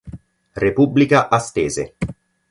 Repubblica Astese